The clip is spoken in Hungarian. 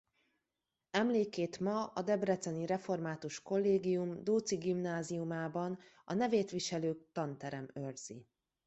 Emlékét ma a Debreceni Református Kollégium Dóczy Gimnáziumában a nevét viselő tanterem őrzi.